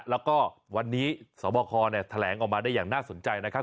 แล้วก็วันนี้สวบคแถลงออกมาได้อย่างน่าสนใจนะครับ